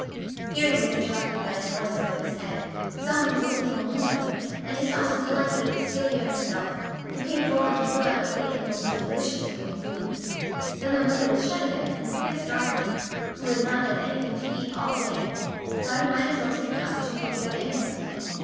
Here he was interrupted by a noise above his head someone was opening a window, and he saw with delight that it was Celia herself, who came forward and threw out a plate of most delicious looking food, then the window was shut again, and Prince Darling, who had not had anything to eat all day, thought he might as well take the opportunity of getting something.